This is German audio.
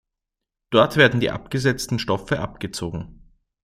Dort werden die abgesetzten Stoffe abgezogen.